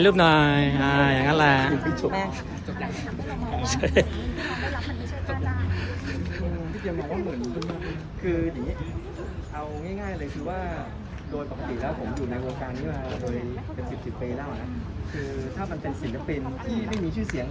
ช่วยก็เป็นเป็นสินตะเป็นที่ไม่มีชื่อเสียงเลย